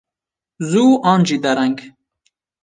Zû an jî dereng.